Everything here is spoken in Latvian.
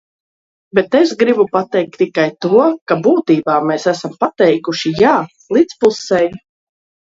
"Bet es gribu pateikt tikai to, ka būtībā mēs esam pateikuši "jā" līdz pusei."